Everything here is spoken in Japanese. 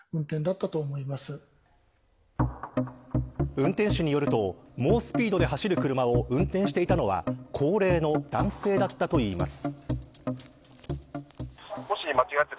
運転手によると猛スピードで走る車を運転していたのは高齢の男性だったといいます。